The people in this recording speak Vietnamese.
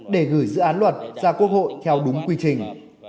để gửi dự án luật ra quốc hội theo đúng quy trình